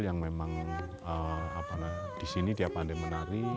yang memang di sini dia pandai menari